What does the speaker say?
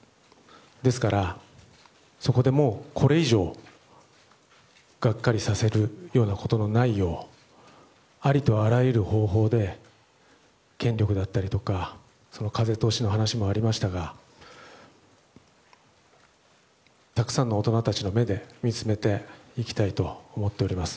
ですから、これ以上がっかりさせるようなことがないようありとあらゆる方法で権力だったりとか風通しの話もありましたがたくさんの大人たちの目で見つめていきたいと思っております。